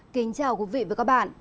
kính chào quý vị và các bạn